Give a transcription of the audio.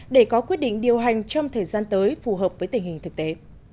để có quyết định điều hành trong thời gian tới phù hợp với tình hình thực tế